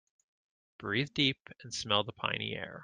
Breathe deep and smell the piny air.